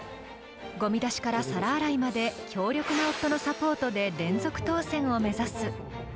ごみ出しから皿洗いまで、強力な夫のサポートで、連続当選を目指す。